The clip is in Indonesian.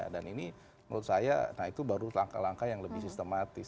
dan ini menurut saya itu baru langkah langkah yang lebih sistematis